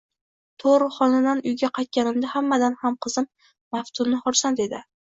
Tug`uruqxonadan uyga qaytganimda hammadan ham qizim Maftuna xursand edi